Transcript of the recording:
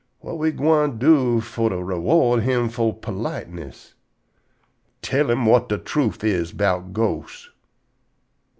Whut we gwine do fo' to _re_ward him fo' politeness?" "Tell him whut de truth is 'bout ghosts."